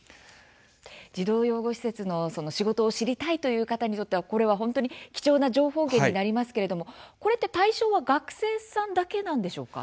児童養護施設のその仕事を知りたいという方にとってはこれは本当に貴重な情報源になりますけれどもこれって対象は学生さんだけなんでしょうか？